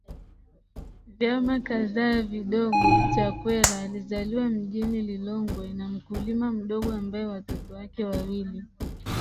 vyama kadhaa vidogoChakwera alizaliwa mjini Lilongwe na mkulima mdogo ambaye watoto wake wawili